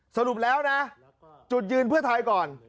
สรุปแล้วนะจุดยืนเพื่อไทยก่อน